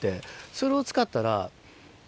それを使ったら。